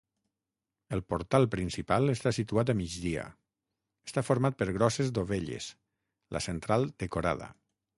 El portal principal està situat a migdia, està format per grosses dovelles, la central decorada.